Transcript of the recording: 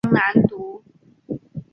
南京朝天宫冶山原有卞壸祠墓。